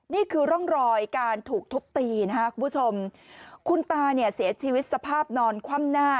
นี่คือร่องรอยการถูกทุบตีนะคะคุณผู้ชมคุณตาเนี่ยเสียชีวิตสภาพนอนคว่ำหน้า